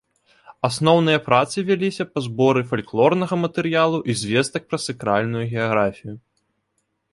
Асноўныя працы вяліся па зборы фальклорнага матэрыялу і звестак пра сакральную геаграфію.